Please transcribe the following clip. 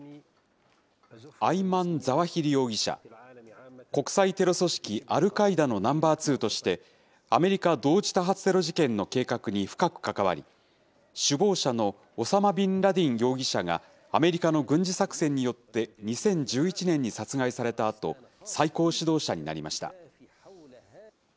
アイマン・ザワヒリ容疑者、国際テロ組織アルカイダのナンバー２として、アメリカ同時多発テロ事件の計画に深く関わり、首謀者のオサマ・ビンラディン容疑者がアメリカの軍事作戦によって２０１１年に殺害されたあと、最高指導者になりました。